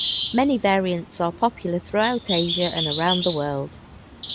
Many variants are popular throughout Asia, and around the world.